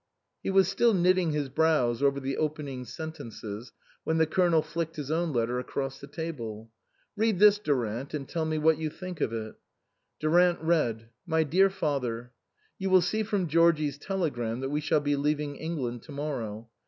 He was still knitting his brows over the open ing sentences, when the Colonel flicked his own letter across the table. "Read this, Durant, and tell me what you think of it." Durant read :" MY DEAR FATHER, "You will see from Georgie's telegram that we shall be leaving England to morrow.